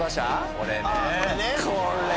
これね。